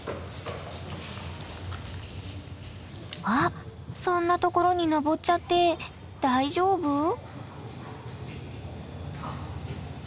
あっそんな所に上っちゃって大丈夫？